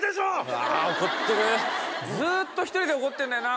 うわ怒ってるずっと１人で怒ってんだよな